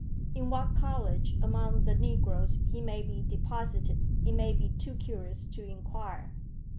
"In what college among the negroes he may be deposited, it may be too curious to inquire.